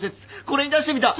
これに出してみた！